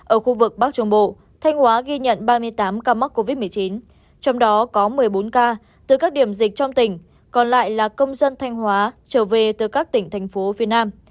ở khu vực bắc trung bộ thanh hóa ghi nhận ba mươi tám ca mắc covid một mươi chín trong đó có một mươi bốn ca từ các điểm dịch trong tỉnh còn lại là công dân thanh hóa trở về từ các tỉnh thành phố phía nam